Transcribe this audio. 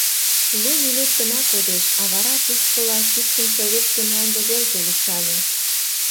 Лу минут гына кодеш, а вара — тушкыла, — кидшым советский мланде велке лупшале.